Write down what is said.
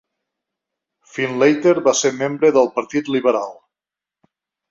Findlater va ser membre del Partit Liberal.